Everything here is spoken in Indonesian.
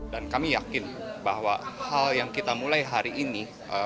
dan kami yakin bahwa hal yang kita mulai hari ini